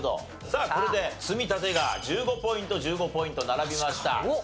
さあこれで積み立てが１５ポイント１５ポイント並びました。